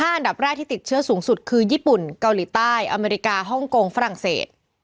อันดับแรกที่ติดเชื้อสูงสุดคือญี่ปุ่นเกาหลีใต้อเมริกาฮ่องกงฝรั่งเศส